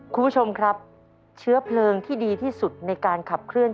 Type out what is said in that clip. คุณผู้ชมครับเชื้อเพลิงที่ดีที่สุดในการขับเคลื่อน